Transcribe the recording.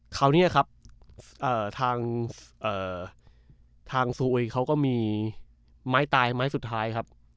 คราวนี้ครับทางซูอุยเขาก็มีไม้ตายไม้สุดท้ายครับ